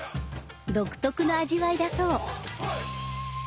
独特の味わいだそう。